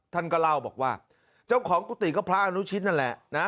ท่านก็เล่าบอกว่าเจ้าของกุฏิก็พระอนุชิตนั่นแหละนะ